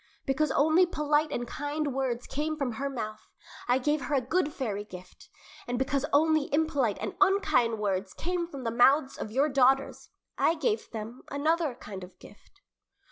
Because only polite and kind words came from her mouth, I gave her a good fairy gift, and because only impolite and unkind words came from the mouths of your daughters, I gave them another kind of gift."